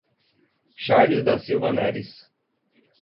Charles da Silva Neris